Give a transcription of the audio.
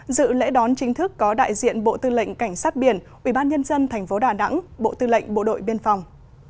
dự lễ đón chính thức có đại diện bộ tư lệnh cảnh sát biển ubnd tp đà nẵng bộ tư lệnh bộ đội biên phòng